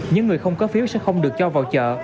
những người không có phiếu sẽ không được cho vào chợ